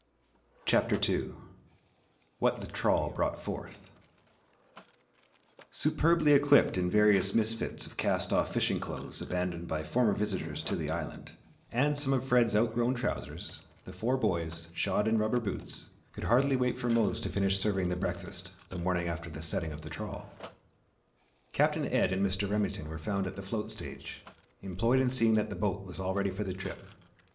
CHAPTER TWO WHAT THE TRAWL BROUGHT FORTH Superbly equipped in various misfits of cast off fishing clothes abandoned by former visitors to the island, and some of Fred's outgrown trousers, the four boys, shod in rubber boots, could hardly wait for Mose to finish serving the breakfast the morning after the setting of the trawl. Captain Ed and Mr. Remington were found at the float stage employed in seeing that the boat was all ready for the trip.